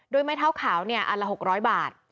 โดยไม้เท้าขาวอันละ๖๐๐บาท